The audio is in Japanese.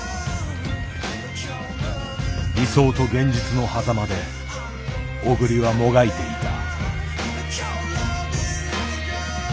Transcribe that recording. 理想と現実のはざまで小栗はもがいていた。